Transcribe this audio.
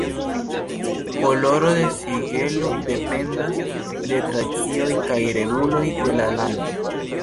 Koloro de sigelo dependas de tradicioj kaj reguloj de la lando.